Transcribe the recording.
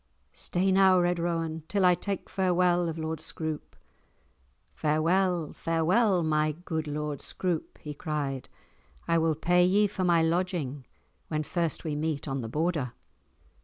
"Stay now, Red Rowan, till I take farewell of Lord Scroope. Farewell, farewell, my good Lord Scroope," he cried. "I will pay ye for my lodging when first we meet on the Border."